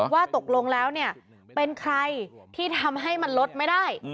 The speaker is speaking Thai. ว่าตกลงแล้วเนี่ยเป็นใครที่ทำให้มันลดไม่ได้